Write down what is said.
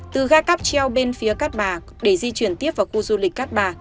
từ ga cắp treo bên phía cát bà để di chuyển tiếp vào khu du lịch cát bà